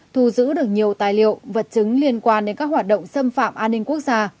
thu giữ được nhiều tài liệu vật chứng liên quan đến các hoạt động xâm phạm an ninh quốc gia